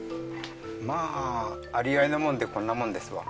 まあありあいなもんでこんなもんですわ